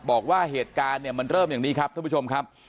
บอกว่าเหตุการณ์เนี่ยมันเริ่มอย่างนี้ครับท่านผู้ชมครับ